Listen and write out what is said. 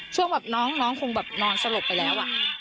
ช่วงแบบน้องคงแบบนอนสลบไปแล้ว